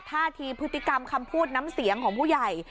ท่าทีพฤติกรรมคำพูดน้ำเสียงของผู้ใหญ่